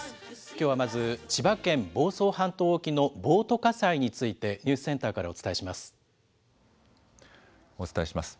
きょうはまず、千葉県房総半島沖のボート火災について、ニュースセンターからお伝えします。